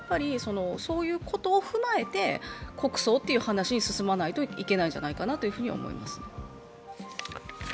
そういうことを踏まえて国葬という話に進まないといけないんじゃないかなと思います。